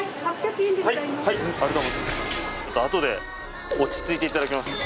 後で落ち着いていただきます。